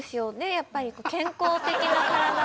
やっぱり健康的な体。